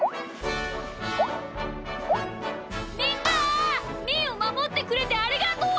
みんなみーをまもってくれてありがとう！